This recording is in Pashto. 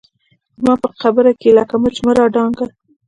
زما په خبره کښې لکه مچ مه رادانګه